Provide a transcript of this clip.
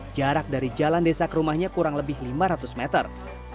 jarak dari jalan desa ke rumahnya kurang lebih lima ratus meter